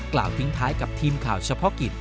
กล่าวทิ้งท้ายกับทีมข่าวเฉพาะกิจ